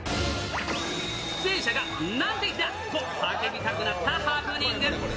出演者がなんて日だ！と叫びたくなったハプニング。